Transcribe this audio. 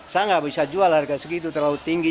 saya nggak bisa jual harga segitu terlalu tinggi